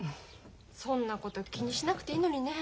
そんなこと気にしなくていいのにね。